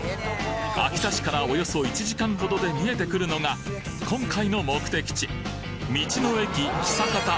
秋田市からおよそ１時間ほどで見えてくるのが今回の目的地